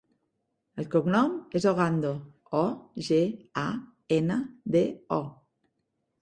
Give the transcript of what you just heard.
El cognom és Ogando: o, ge, a, ena, de, o.